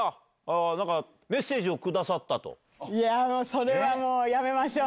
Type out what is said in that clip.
それはもうやめましょう。